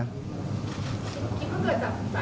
คิดว่าเกิดจากประเศษอะไรคะ